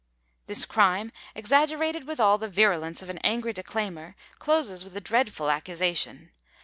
This crime, exaggerated with all the virulence of an angry declaimer, closes with a dreadful accusation.